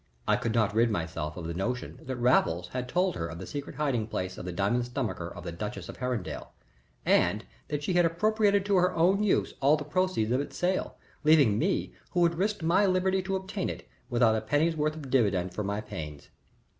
I could not rid myself of the notion that Raffles had told her of the secret hiding place of the diamond stomacher of the duchess of Herringdale, and that she had appropriated to her own use all the proceeds of its sale, leaving me, who had risked my liberty to obtain it, without a penny's worth of dividend for my pains.